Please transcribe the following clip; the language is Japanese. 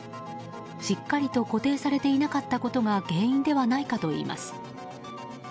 しっかりと固定されていなかったことが原因ではないかといいます。